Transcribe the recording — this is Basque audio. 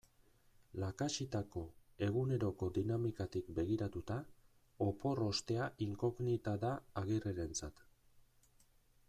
Lakaxitako eguneroko dinamikatik begiratuta, opor ostea inkognita da Agirrerentzat.